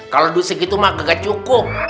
kalau dusik gitu mah nggak cukup